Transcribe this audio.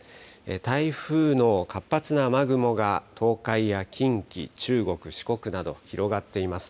台風の活発な雨雲が東海や近畿、中国、四国など、広がっています。